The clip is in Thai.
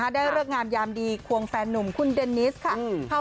ได้เลิกงามยามดีควงแฟนนุ่มคุณเดนิสค่ะ